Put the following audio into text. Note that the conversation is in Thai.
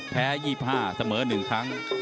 แพ้๒๕ครั้งเสมอ๑ครั้ง